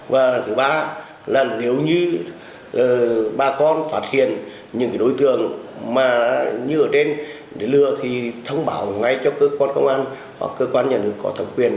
và thứ ba là nếu như bà con phát hiện những đối tượng mà như ở trên để lừa thì thông báo ngay cho cơ quan công an hoặc cơ quan nhà nước có thẩm quyền